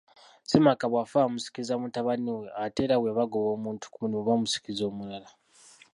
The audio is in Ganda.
Ssemaka bw'afa bamusikiza mutabani we ate era bwe bagoba omuntu ku mulimu bamusikiza omulala